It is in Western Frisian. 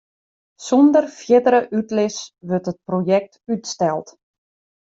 Sûnder fierdere útlis wurdt it projekt útsteld.